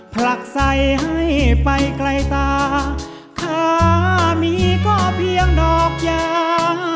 ผลักใส่ให้ไปไกลตาขามีก็เพียงดอกยา